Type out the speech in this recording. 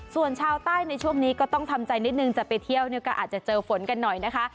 ส่วนชาวใต้ในช่วงนี้ก็ต้องทำใจนิดนึงจะไปเที่ยวเนี่ยก็อาจจะเจอฝนกันหน่อยนะคะ